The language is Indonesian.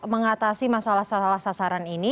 mengatasi masalah salah sasaran ini